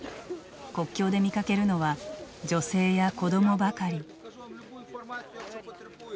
国境で見かけるのは女性や子どもばかり。